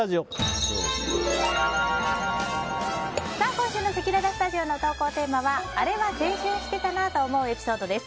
今週のせきららスタジオの投稿テーマはあれは青春してたなぁと思うエピソードです。